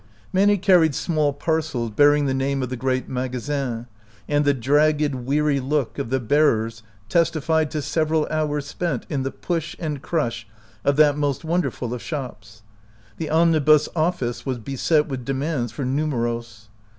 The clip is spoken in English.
Many carried small parcels bearing the name of the great maga stn y and the dragged, weary look of the bearers testified to several hours spent in the push and crush of that most wonderful of shops. The omnibus office was beset with demands for numeros.